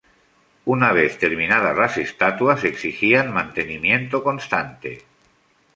Una vez terminadas, las estatuas exigían mantenimiento constante.